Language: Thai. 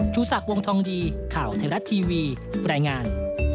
ชูศักดิ์วงทองดีข่าวไทยรัฐทีวีรายงาน